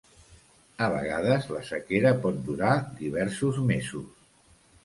A vegades, la sequera pot durar diversos mesos.